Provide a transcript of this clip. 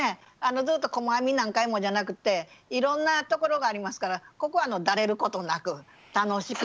ずっと細編み何回もじゃなくっていろんなところがありますからここはダレることなく楽しく。